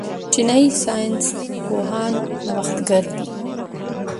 چینايي ساینس پوهان نوښتګر دي.